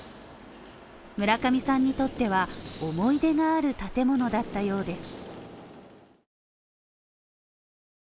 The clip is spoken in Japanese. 村上さんにとっては、思い出がある建物だったようです。